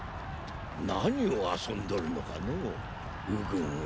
何を遊んどるのかの右軍は。